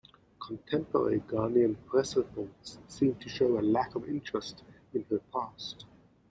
Contemporary Ghanaian press reports seem to show a lack of interest in her past.